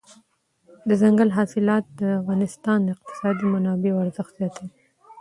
دځنګل حاصلات د افغانستان د اقتصادي منابعو ارزښت زیاتوي.